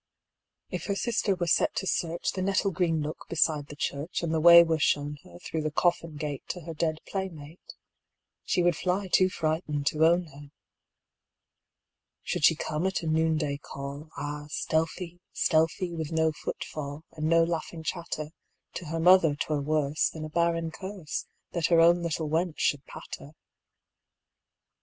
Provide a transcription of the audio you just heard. If her sister were set to searchThe nettle green nook beside the church, And the way were shown herThrough the coffin gateTo her dead playmate, She would fly too frightened to own her. Should she come at a noonday call, Ah, stealthy, stealthy, with no footfall, And no laughing chatter, To her mother 't were worseThan a barren curseThat her own little wench should pat her.